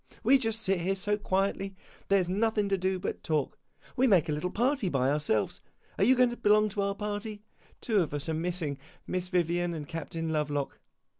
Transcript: We just sit here so quietly there 's nothing to do but to talk. We make a little party by ourselves are you going to belong to our party? Two of us are missing Miss Vivian and Captain Lovelock.